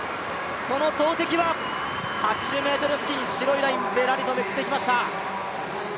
その投てきは８０ｍ、白いライン、べらりとめくっていきました。